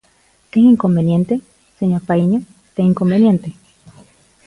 ¿Ten inconveniente, señor Paíño, ten inconveniente?